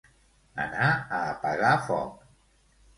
Anar a apagar foc.